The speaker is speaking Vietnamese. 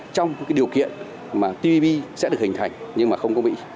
trong cái điều kiện mà tpp sẽ được hình thành nhưng mà không có mỹ